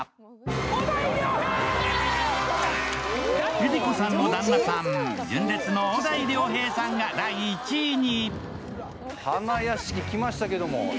ＬｉＬｉＣｏさんの旦那さん、純烈の小田井涼平さんが第１位に。